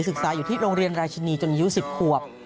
ศึกษาอยู่ที่โรงเรียนราชินีจนอายุ๑๐ขวบ